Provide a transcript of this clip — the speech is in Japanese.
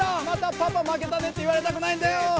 「またパパ負けたね」って言われたくないんだよ。